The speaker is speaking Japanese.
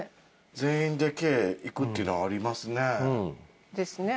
全員でＫいくっていうのありますね。